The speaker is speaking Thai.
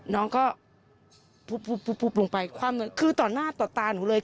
น้องก็ปุ๊บปุ๊บปุ๊บปุ๊บลงไปคว่ำคือต่อหน้าต่อตาหนูเลย